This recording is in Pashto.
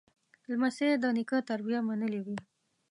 لمسی د نیکه تربیه منلې وي.